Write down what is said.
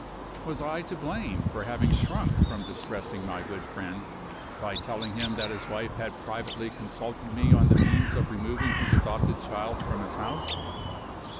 Was I to blame for having shrunk from distressing my good friend, by telling him that his wife had privately consulted me on the means of removing his adopted child from his house?